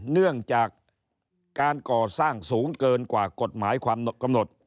เนื่องจากการก่อสร้างสูงเกินกว่ากฎหมายความกำหนด